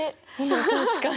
確かに。